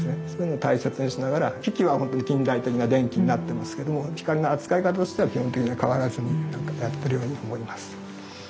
そういういうのを大切にしながら機器はほんとに近代的な電気になってますけども光の扱い方としては基本的には変わらずにやってるように思います。